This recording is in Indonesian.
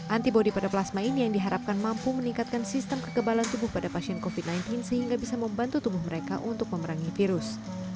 antibody pada plasma ini yang diharapkan mampu meningkatkan sistem kekebalan tubuh pada pasien covid sembilan belas sehingga bisa membantu tubuh mereka untuk memerangi virus